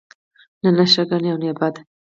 نه ښه ښه گڼي او نه بد بد